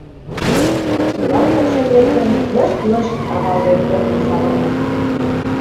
Кӱвар покшек лектын, лышт-лышт тавалтен-пӧрдын савырна.